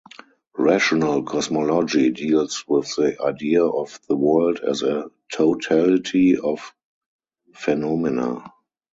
Rational cosmology deals with the idea of the world as a totality of phenomena.